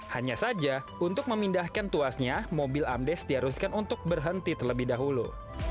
hanya saja untuk memindahkan tuasnya mobil amdes diharuskan untuk berhenti terlebih dahulu